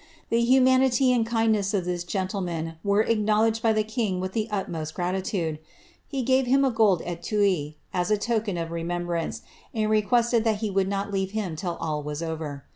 The humanity aa kindness of this gentleman were acknowledged by the king with lb utmost gratitude ; he gave him a gold r/ui, as a token of remembraaei and requested that he would not leave him till all was over.'